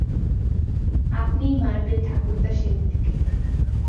আপনিই মারবেন ঠাকুরদা সেনদিদিকে।